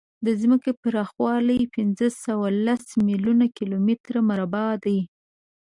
د ځمکې پراخوالی پینځهسوهلس میلیونه کیلومتره مربع دی.